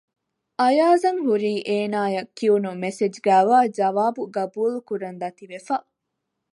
އަޔާޒަށް ހުރީ އޭނާއަށް ކިޔުނު މެސެޖުގައިވާ ޖަވާބު ގަބޫލުކުރަން ދަތިވެފަ